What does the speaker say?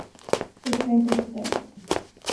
Hetsa inte upp dig.